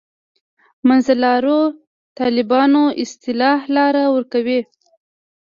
منځلارو طالبانو اصطلاح لاره ورکوي.